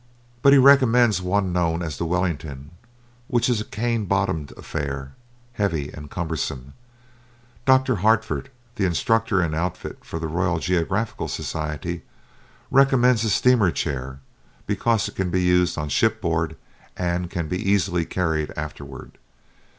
But he recommends one known as the "Wellington," which is a cane bottomed affair, heavy and cumbersome. Dr. Harford, the instructor in outfit for the Royal Geographical Society, recommends a steamer chair, because it can be used on shipboard and "can be easily carried afterward."